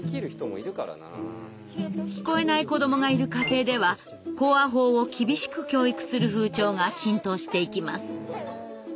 聞こえない子どもがいる家庭では口話法を厳しく教育する風潮が浸透していきます。